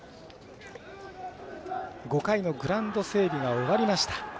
５回のグラウンド整備が終わりました。